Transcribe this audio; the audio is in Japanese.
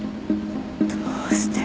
どうして？